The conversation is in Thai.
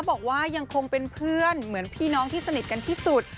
บอกว่ายังคงเป็นเพื่อนเหมือนพี่น้องที่สนิทกันที่สุด